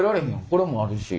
これもあるし。